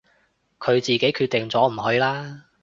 佢自己決定咗唔去啦